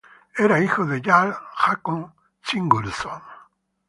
Era hijo del jarl Håkon Sigurdsson.